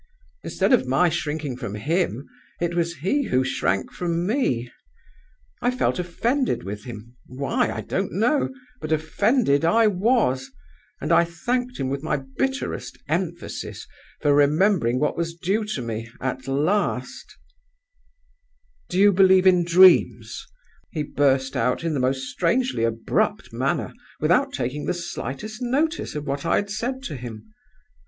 Instead of my shrinking from him, it was he who shrank from me. I felt offended with him; why, I don't know but offended I was; and I thanked him with my bitterest emphasis for remembering what was due to me, at last! "'Do you believe in Dreams?' he burst out, in the most strangely abrupt manner, without taking the slightest notice of what I had said to him.